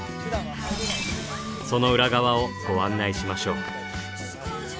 その裏側をご案内しましょう。